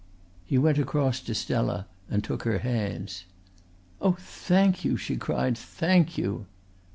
He went across to Stella and took her hands. "Oh, thank you," she cried, "thank you."